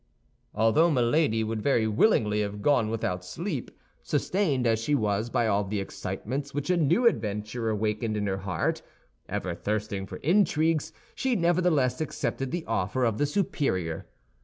Although Milady would very willingly have gone without sleep, sustained as she was by all the excitements which a new adventure awakened in her heart, ever thirsting for intrigues, she nevertheless accepted the offer of the superior.